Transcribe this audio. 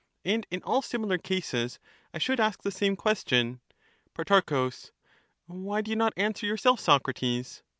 and in all similar cases I should ask the same question. Pro. Why do you not answer yourself, Socrates